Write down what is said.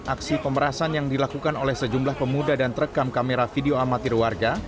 aksi pemerasan yang dilakukan oleh sejumlah pemuda dan terekam kamera video amatir warga